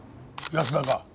安田か？